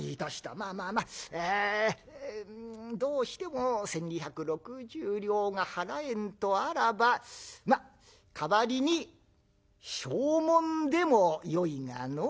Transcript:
まあまあまあどうしても１，２６０両が払えんとあらばまぁ代わりに証文でもよいがのう。